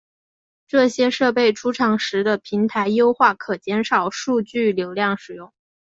这些设备出厂时的平台优化可减少数据流量使用。